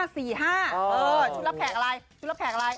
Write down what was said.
ชุดรับแขกอะไรชุดรับแขกอะไร